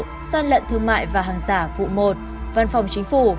gian lận thương mại và hàng giả vụ một văn phòng chính phủ